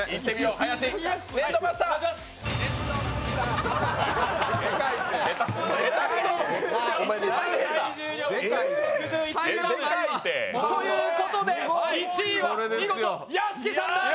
粘土マスター！ということで、１位は見事、屋敷さんです。